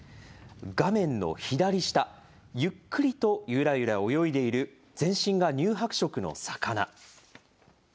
画面の左下、ゆっくりとゆらゆら泳いでいる全身が乳白色の魚。